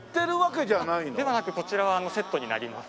ではなくこちらはセットになります。